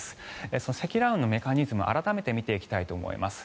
その積乱雲のメカニズム改めて見ていきたいと思います。